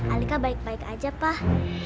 alika baik baik aja pak